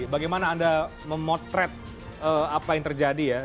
bagaimana anda memotret apa yang terjadi ya